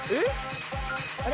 あれ？